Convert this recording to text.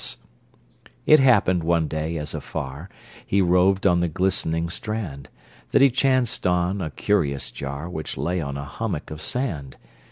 It happened one day, as afar He roved on the glistening strand, That he chanced on a curious jar, Which lay on a hummock of sand.